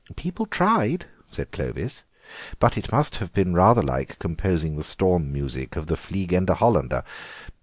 "People tried," said Clovis, "but it must have been rather like composing the storm music of the 'Fliegende Holländer.